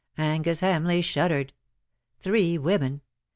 Angus Hamleigh shuddered. Three women